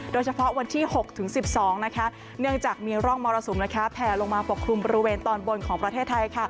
โดยเฉพาะวันที่๖๑๒เนื่องจากมีร่องมรสุมแผ่ลงมาปกคลุมบริเวณตอนบนของประเทศไทย